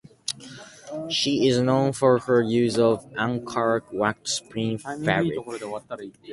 She is known for her use of Ankara wax print fabric.